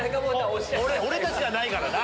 俺たちじゃないからな。